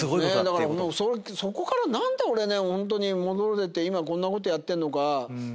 だからそこから何で俺ホントに戻れて今こんなことやってんのか。